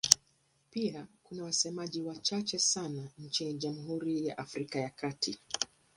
Pia kuna wasemaji wachache sana nchini Jamhuri ya Afrika ya Kati.